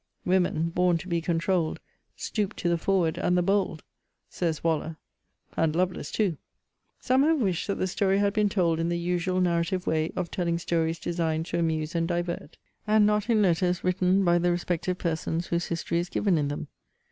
Women, born to be controul'd, Stoop to the forward and the bold, Says Waller and Lovelace too! Some have wished that the story had been told in the usual narrative way of telling stories designed to amuse and divert, and not in letters written by the respective persons whose history is given in them.